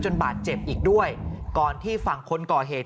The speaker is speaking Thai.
บาดเจ็บอีกด้วยก่อนที่ฝั่งคนก่อเหตุ